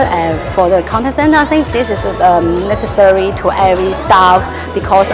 dan untuk konten saya pikir ini harus diberikan kepada setiap pekerja